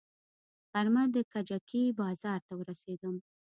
غرمه د کجکي بازار ته ورسېدم.